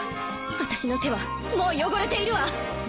私の手はもう汚れているわ！